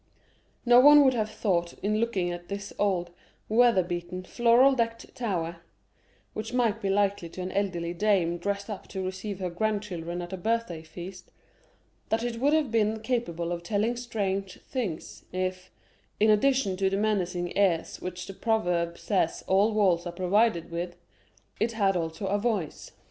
No one would have thought in looking at this old, weather beaten, floral decked tower (which might be likened to an elderly dame dressed up to receive her grandchildren at a birthday feast) that it would have been capable of telling strange things, if,—in addition to the menacing ears which the proverb says all walls are provided with,—it had also a voice.